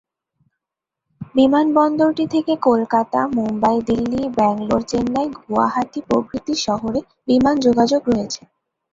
বিমানবন্দরটি থেকে কলকাতা, মুম্বাই, দিল্লি, ব্যাঙ্গালোর, চেন্নাই, গুয়াহাটি, প্রভৃতি শহরে বিমান যোগাযোগ রয়েছে।